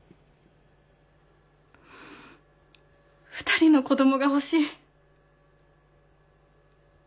２人の子供が欲しい。